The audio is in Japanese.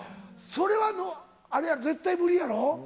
それは、あれやろ、絶対無理やろ？